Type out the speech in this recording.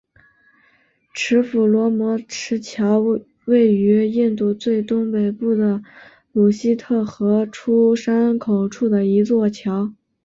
持斧罗摩池桥位于印度最东北部的鲁西特河出山口处的一座桥。